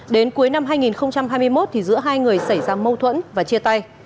đến cuối năm hai nghìn hai mươi một giữa hai người xảy ra mâu thuẫn và chia tay